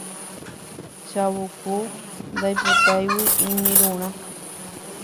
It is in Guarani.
Chavuku ndoipotáigui iñirũrã